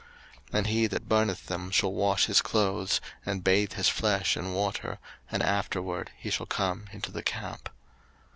03:016:028 And he that burneth them shall wash his clothes, and bathe his flesh in water, and afterward he shall come into the camp.